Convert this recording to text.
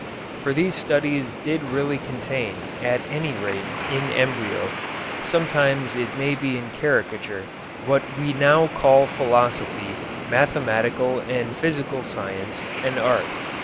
For these studies did really contain, at any rate in embryo, sometimes it may be in caricature, what we now call philosophy, mathematical and physical science, and art.